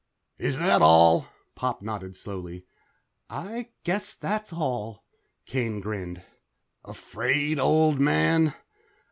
"Is that all?" Pop nodded slowly. "I guess that's all." Kane grinned. "Afraid, old man?"